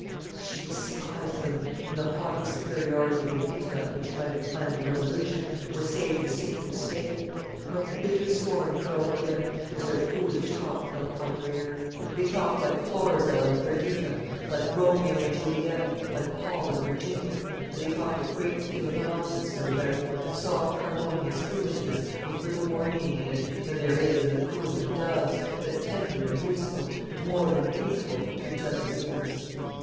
How she despised them, in the haughty superiority of an intellect which might have planned a revolution, or saved a sinking state! What bitter scorn curled her lip, as their foolish talk fell upon her ear! They talked like Florizel and Perdita, like Romeo and Juliet, like Paul and Virginia; and they talked a great deal of nonsense, no doubt soft harmonious foolishness, with little more meaning in it than there is in the cooing of doves, but tender and musical, and more than beautiful, to each other's ears.